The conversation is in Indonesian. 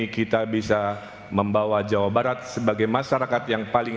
kita bisa membawa jawa barat sebagai pembahasan